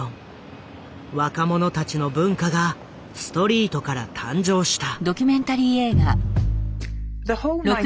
若者たちの文化がストリートから誕生した。